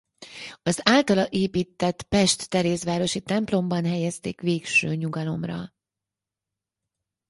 Az általa épített pest-terézvárosi templomban helyezték végső nyugalomra.